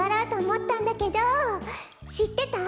しってた？